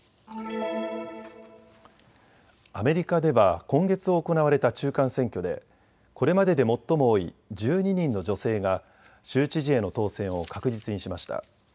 アメリカでは今月行われた中間選挙でこれまでで最も多い１２人の女性が州知事への当選を確実にしました。